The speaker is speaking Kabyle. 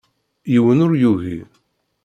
Yiwen ur yugi.